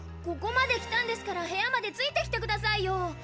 ここまで来たんですから部屋までついてきてくださいよ。